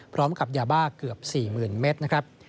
พร้อมกับยาบ้าเกือบ๔๐๐๐๐เมตร